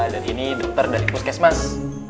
dan ini dokter dari puskesmas